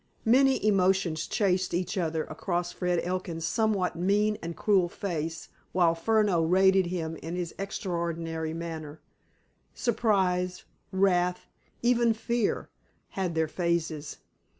Many emotions chased each other across Fred Elkin's somewhat mean and cruel face while Furneaux rated him in this extraordinary manner. Surprise, wrath, even fear, had their phases.